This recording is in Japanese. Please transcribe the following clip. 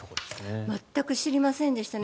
全く知りませんでした。